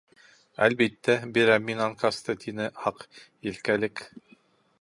— Әлбиттә, бирәм мин анкасты, — тине Аҡ Елкәлек.